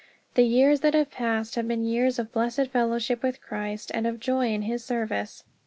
The years that have passed have been years of blessed fellowship with Christ and of joy in his service.